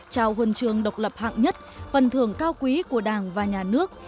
chào huần trường độc lập hạng nhất phần thường cao quý của đảng và nhà nước